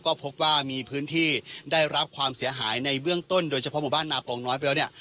ก็พบว่ามีพื้นที่ได้รับความเสียหายในเบื้องต้นโดยเฉพาะหมู่บ้านนาโกงน้อยไปแล้วเนี่ย